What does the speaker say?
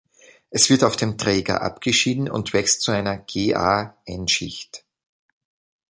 Es wird auf dem Träger abgeschieden und wächst zu einer GaN-Schicht.